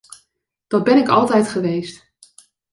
Dat ben ik altijd geweest.